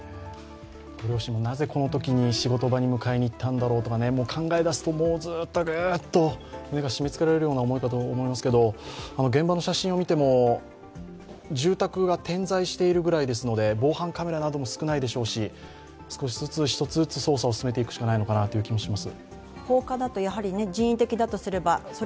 ご両親もなぜこのときに仕事場に迎えに行ったんだろうとか考え出すとぐっと胸が締めつけられる思いかと思いますけれども、現場の写真を見ても、住宅が点在しているぐらいですので防犯カメラなども少ないでしょうし少しずつ、一つずつ捜査を進めていくしかないのかなという気もします。